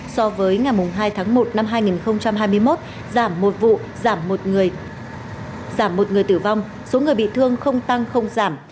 so với ngày hai tháng một năm hai nghìn hai mươi một giảm một vụ giảm một người tử vong số người bị thương không tăng không giảm